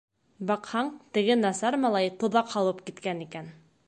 Баҡһаң, теге Насар малай тоҙаҡ һалып киткән икән.